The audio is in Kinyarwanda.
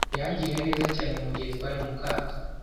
Yangiriye neza cyane mugihe twari mukato.